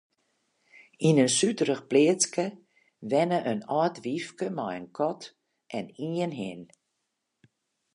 Yn in suterich pleatske wenne in âld wyfke mei in kat en ien hin.